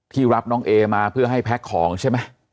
รับน้องเอมาเพื่อให้แพ็คของใช่ไหม